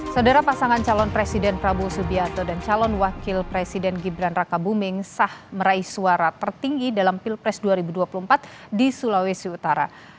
saudara pasangan calon presiden prabowo subianto dan calon wakil presiden gibran raka buming sah meraih suara tertinggi dalam pilpres dua ribu dua puluh empat di sulawesi utara